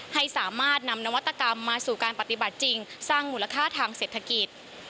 ให้สามารถนำนวัตกรรมมาสู่การปฏิบัติจริงสร้างมูลค่าทางเศรษฐกิจ